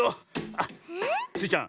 あっ！スイちゃん。